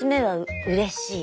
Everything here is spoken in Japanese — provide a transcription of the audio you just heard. うれしい。